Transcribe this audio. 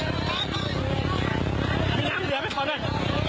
มีน้ำเหลือไปก่อนด้วย